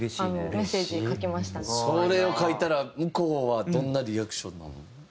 それを書いたら向こうはどんなリアクションになるの？